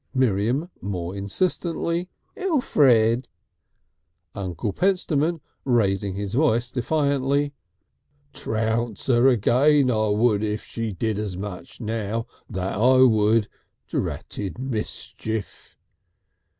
Miriam, more insistently: "Elfrid!" Uncle Pentstemon, raising his voice defiantly: "Trounce 'er again I would if she did as much now. That I would! Dratted mischief!"